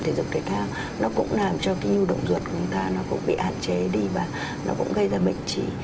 thể dục thể thao nó cũng làm cho cái nhu đồng ruột của chúng ta nó cũng bị hạn chế đi và nó cũng gây ra bệnh trị